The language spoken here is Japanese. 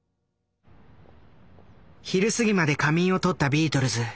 昼すぎまで仮眠をとったビートルズ。